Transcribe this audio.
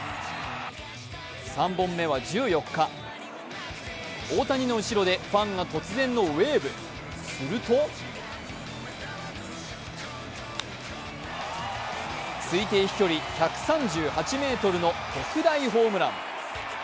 ３本目は１４日、大谷の後ろでファンが突然のウェーブ、すると推定飛距離１３８ｍの特大ホームラン。